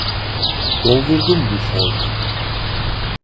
Doldurdum bu formu